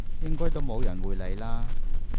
應該都冇人會理啦！